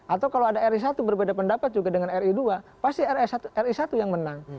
atau kalau ada ri satu berbeda pendapat juga dengan ri dua pasti ri satu yang menang